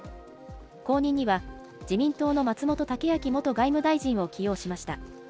後任には、自民党の松本剛明元外務大臣を起用しました。